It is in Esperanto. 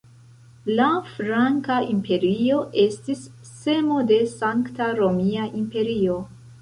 La franka imperio estis semo de Sankta Romia Imperio.